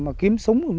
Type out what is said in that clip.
mà kiếm sống được nữa